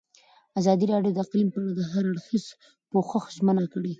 ازادي راډیو د اقلیم په اړه د هر اړخیز پوښښ ژمنه کړې.